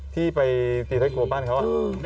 ที่ไปตีท้ายครัวบ้านเขา